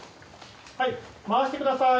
はい回してください